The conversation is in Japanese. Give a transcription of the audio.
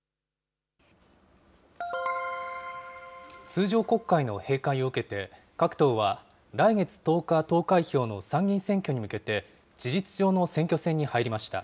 通常国会の閉会を受けて、各党は、来月１０日投開票の参議院選挙に向けて、事実上の選挙戦に入りま